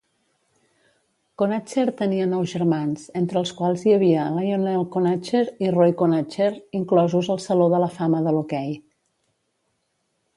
Conacher tenia nou germans, entre els quals hi havia Lionel Conacher i Roy Conacher, inclosos al saló de la fama de l'hoquei.